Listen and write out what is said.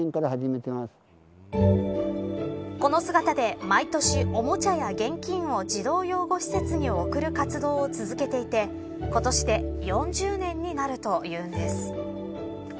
この姿で、毎年おもちゃや現金を児童養護施設に贈る活動を続けていて今年で４０年になるというんです。